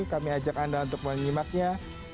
kami ajak anda untuk menyimaknya